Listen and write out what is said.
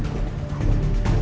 sugianto andi surahman lampung